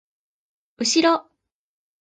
うしろ！